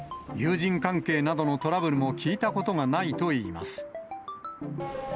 友人関係などのトラブルも聞いたことがないといいます。